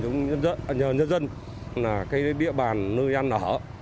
nhờ nhân dân cái địa bàn nơi ăn ở